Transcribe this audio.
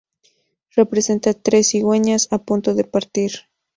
Representa tres cigüeñas a punto de partir.